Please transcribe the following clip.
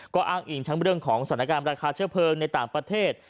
ก็อ้างอิงทั้งเรื่องของสถานการณ์ราคาเชื้อเพลิงในต่างประเทศ